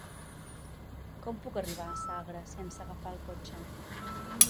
Com puc arribar a Sagra sense agafar el cotxe?